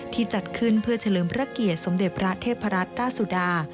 จัดขึ้นเพื่อเฉลิมพระเกียรติสมเด็จพระเทพรัตนราชสุดา